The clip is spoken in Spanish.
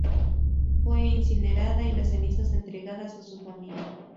Fue incinerada y las cenizas entregadas a su familia.